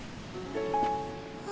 あ。